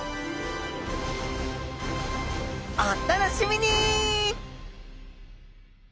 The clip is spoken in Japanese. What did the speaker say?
お楽しみに！